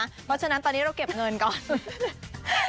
เพราะฉะนั้นตอนนี้เราเก็บเงินก่อน